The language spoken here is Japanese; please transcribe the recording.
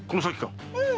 うん。